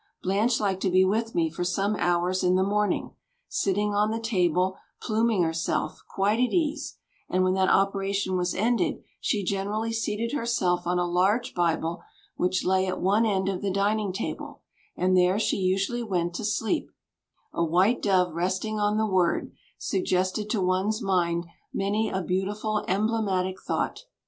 Blanche liked to be with me for some hours in the morning, sitting on the table pluming herself, quite at ease, and when that operation was ended she generally seated herself on a large Bible which lay at one end of the dining table, and there she usually went to sleep; a white dove resting on the Word suggested to one's mind many a beautiful emblematic thought.